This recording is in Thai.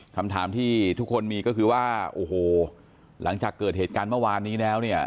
คำถามที่ทุกคนมีก็คือว่าโอ้โหหลังจากเกิดเหตุการณ์เมื่อวานนี้แล้วเนี่ย